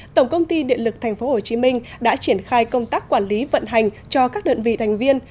tổng công ty điện lực tp hcm đã triển khai công tác quản lý vận hành cho các đơn vị thành viên